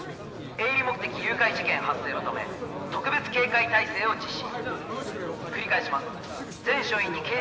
「営利目的誘拐事件発生のため特別警戒態勢を実施」